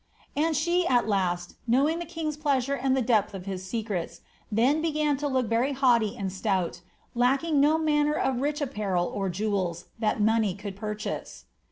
'' And she at last, knowing the king's pleasure and the depth of his sec rets, then began to look very haughty and stout, lacking no manner of rich apparel or jewels that money could purchase.''